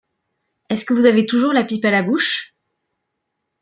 Est-ce que vous avez toujours la pipe à la bouche?